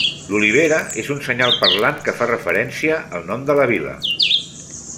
L'olivera és un senyal parlant que fa referència al nom de la vila.